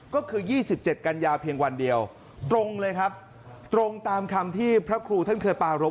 ก็คือ๒๗กันยาเพียงวันเดียวตรงเลยครับตรงตามคำที่พระครูท่านเคยปารพ